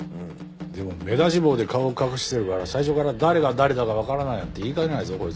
でも目出し帽で顔を隠してるから最初から誰が誰だかわからないって言いかねないぞこいつら。